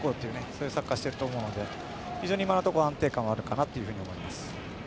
そういうサッカーをしていると思うので今のところ安定感はあると思います。